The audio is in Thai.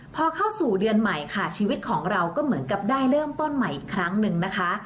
พอเข้าสู่เดือนใหม่ค่ะชีวิตของเราก็เหมือนกับได้เริ่มต้นใหม่อีกครั้งหนึ่งนะคะ